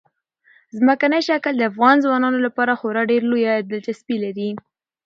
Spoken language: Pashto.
ځمکنی شکل د افغان ځوانانو لپاره خورا ډېره لویه دلچسپي لري.